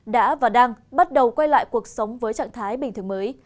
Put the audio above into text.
đã và đang bắt đầu quay lại cuộc sống với trạng thái bình thường mới